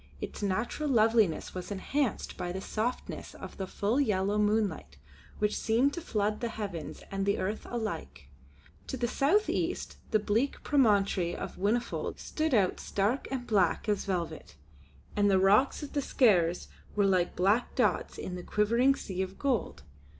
Its natural loveliness was enhanced by the softness of the full yellow moonlight which seemed to flood the heavens and the earth alike. To the south east the bleak promontory of Whinnyfold stood out stark and black as velvet and the rocks of the Skares were like black dots in the quivering sea of gold.